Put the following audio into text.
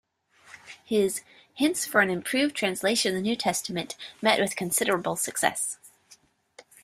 His "Hints for an improved Translation of the New Testament" met with considerable success.